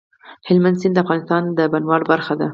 هلمند سیند د افغانستان د بڼوالۍ برخه ده.